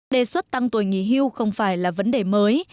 đề xuất tăng tuổi nghỉ hưu không phải là vấn đề mới